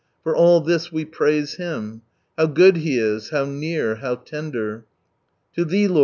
For all this we praise Him. How good He is, how near, how tender —" To Thee, Lot.